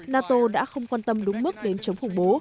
nato đã không quan tâm đúng mức đến chống khủng bố